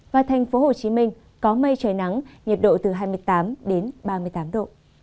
và thành phố hồ chí minh có mây trời nắng nhiệt độ từ hai mươi tám đến ba mươi tám độ